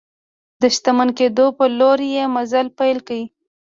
د شتمن کېدو په لور یې مزل پیل کړ.